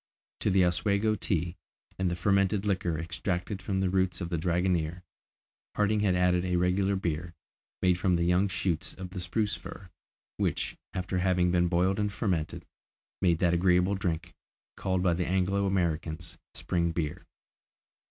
To the Oswego tea, and the fermented liquor extracted from the roots of the dragonnier, Harding had added a regular beer, made from the young shoots of the spruce fir, which, after having been boiled and fermented, made that agreeable drink, called by the Anglo Americans spring beer.